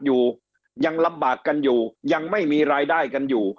อยู่ยังลำบากกันอยู่ยังไม่มีรายได้กันอยู่